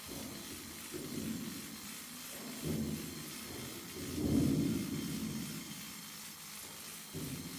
Kuhakikisha Jamhuri ya kidemokrasia ya Kongo inaunganishwa kwenye vyombo vya Jumuiya ya Afrika Mashariki.